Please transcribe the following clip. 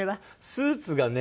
スーツがね